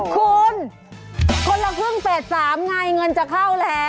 คุณคนละครึ่งเฟส๓ไงเงินจะเข้าแล้ว